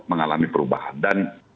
mengalami perubahan dan